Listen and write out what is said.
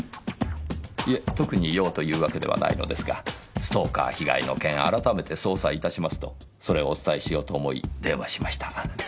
いえ特に用というわけではないのですがストーカー被害の件改めて捜査いたしますとそれをお伝えしようと思い電話しました。